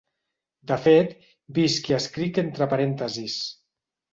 De fet, visc i escric entre parèntesis.